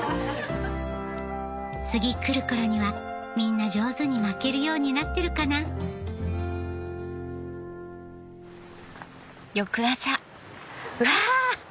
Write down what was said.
次来る頃にはみんな上手に巻けるようになってるかなうわ！